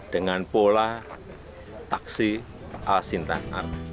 dengan pola taksi al sintan